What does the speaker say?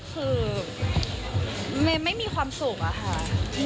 คือเมย์ไม่มีความสุขอะค่ะ